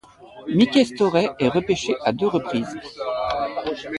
Mickey Storey est repêché à deux reprises.